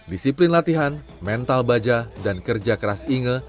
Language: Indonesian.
disiplin latihan mental baja dan kerja keras inge